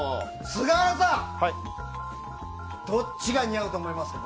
菅原さんどっちが似合うと思いますか。